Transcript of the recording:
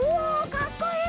かっこいい！